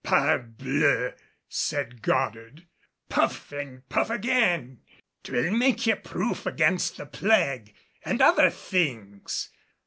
"Parbleu!" said Goddard, "puff, and puff again! 'Twill make ye proof against the plague, and other things.